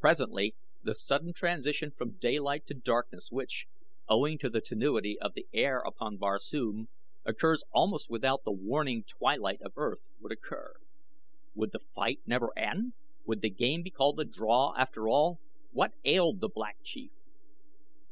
Presently the sudden transition from daylight to darkness which, owing to the tenuity of the air upon Barsoom, occurs almost without the warning twilight of Earth, would occur. Would the fight never end? Would the game be called a draw after all? What ailed the Black Chief?